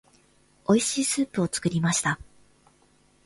美味しいスープを作りました。